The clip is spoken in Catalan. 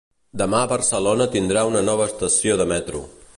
Demà Barcelona tindrà una nova estació de metro